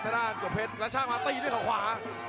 ประเภทมัยยังอย่างปักส่วนขวา